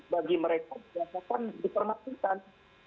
bagi mereka dirasakan disermatikan